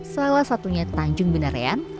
salah satunya tanjung binarean